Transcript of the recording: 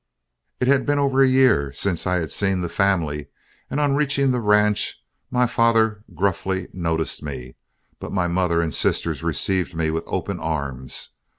It had been over a year since I had seen the family, and on reaching the ranch, my father gruffly noticed me, but my mother and sisters received me with open arms.